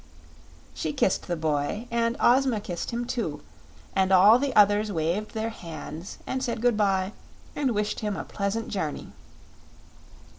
She kissed the boy, and Ozma kissed him, too, and all the others waved their hands and said good bye and wished him a pleasant journey.